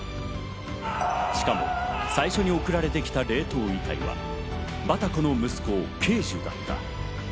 しかも最初に送られてきた冷凍遺体はバタコの息子・圭樹だった。